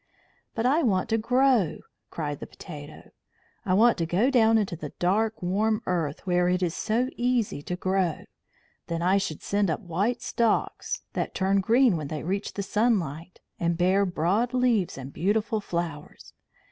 "But I want to grow!" cried the potato. "I want to go down into the dark warm earth, where it is so easy to grow. Then I should send up white stalks that turn green when they reach the sunlight, and bear broad leaves and beautiful flowers.